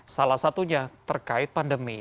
salah satunya terkait pandemi